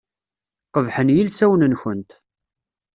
Qebḥen yilsawen-nkent.